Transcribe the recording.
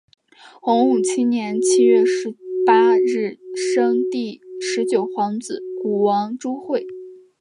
洪武七年七月十八日生第十九皇子谷王朱橞。